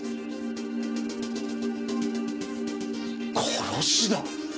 殺しだ。